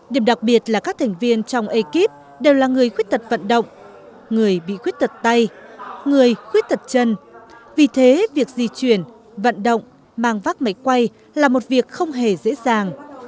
điểm đặc biệt là các thành viên trong ekip đều là người khuyết tật vận động người bị khuyết tật tay người khuyết tật chân vì thế việc di chuyển vận động mang vác máy quay là một việc không hề dễ dàng